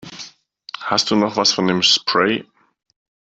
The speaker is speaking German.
Hast du noch was von dem Spray?